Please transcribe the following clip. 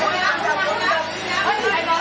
อันดับที่สุดท้ายก็จะเป็น